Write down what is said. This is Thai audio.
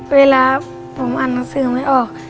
เวลาผมอ่านหนังสือไม่ออก